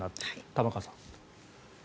玉川さん。